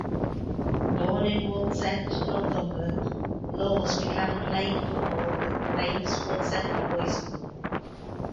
Born in Wallsend, Northumberland, Laws began playing football at the famous Wallsend Boys Club.